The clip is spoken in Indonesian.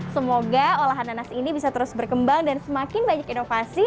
semoga olahan nanas ini bisa terus berkembang dan semakin banyak inovasi